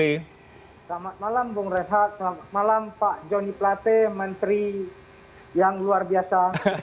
selamat malam bang reinhardt selamat malam pak joni platte menteri yang luar biasa